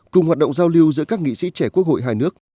cùng hoạt động giao lưu giữa các nghị sĩ trẻ quốc hội hai nước